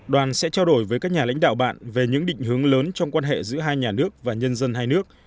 đoàn sẽ trao đổi với các nhà lãnh đạo bạn về những định hướng lớn trong quan hệ giữa hai nhà nước và nhân dân hai nước